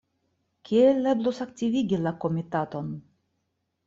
Kiel eblus aktivigi la komitaton?